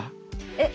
えっ。